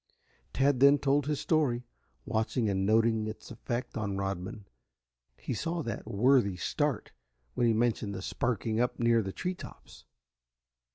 Tad then told his story, watching and noting its effect on Rodman. He saw that worthy start when he mentioned the sparking up near the tree tops.